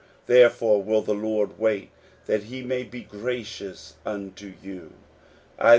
"Therefore will the Lord wait, that he may be ^r^ious unto you" (Is.